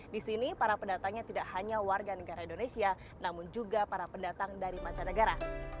di sini para pendatangnya tidak hanya warga negara indonesia namun juga para pendatang dari mancanegara